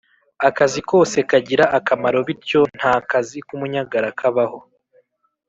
Akazi kose kagira akamaro bityo nta kazi kumunyagara kabaho